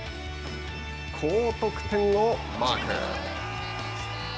高得点をマーク。